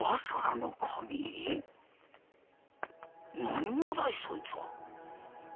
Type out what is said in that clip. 何者だいそいつは。